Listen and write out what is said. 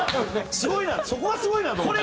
すごいなそこがすごいなと思った。